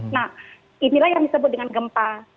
nah inilah yang disebut dengan gempa